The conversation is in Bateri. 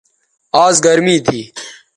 آز گرمی تھی